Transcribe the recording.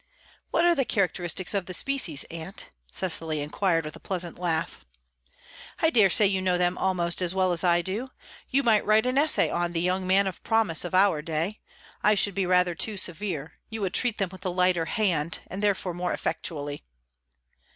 "What are the characteristics of the species, aunt?" Cecily inquired, with a pleasant laugh. "I dare say you know them almost as well as I do. You might write an essay on 'The Young Man of Promise' of our day. I should be rather too severe; you would treat them with a lighter hand, and therefore more effectually."